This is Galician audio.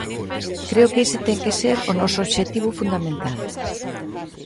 Creo que ese ten que ser o noso obxectivo fundamental.